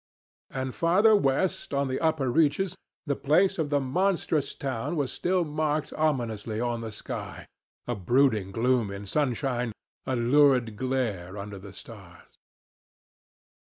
And farther west on the upper reaches the place of the monstrous town was still marked ominously on the sky, a brooding gloom in sunshine, a lurid glare under the stars.